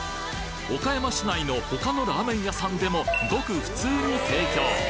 岡山市内の他のラーメン屋さんでもごく普通に提供